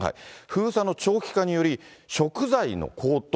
封鎖の長期化により、食材の高騰、